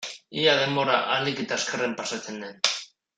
Ea denbora ahalik eta azkarren pasatzen den.